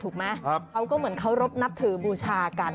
เขาก็เหมือนเคารพนับถือบูชากัน